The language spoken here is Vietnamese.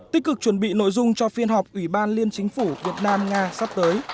tích cực chuẩn bị nội dung cho phiên họp ủy ban liên chính phủ việt nam nga sắp tới